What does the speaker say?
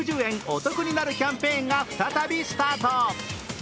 お得になるキャンペーンが再びスタート。